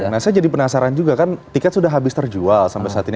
nah saya jadi penasaran juga kan tiket sudah habis terjual sampai saat ini